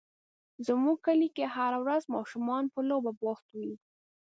زموږ کلي کې هره ورځ ماشومان په لوبو بوخت وي.